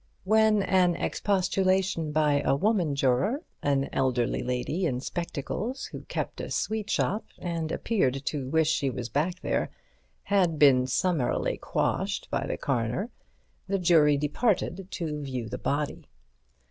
When an expostulation by a woman juror—an elderly lady in spectacles who kept a sweetshop, and appeared to wish she was back there—had been summarily quashed by the coroner, the jury departed to view the body.